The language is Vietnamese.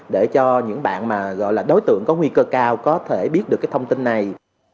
để cho những bạn mà gọi là đối tượng có nguy cơ cao có thể biết được cái thông tin này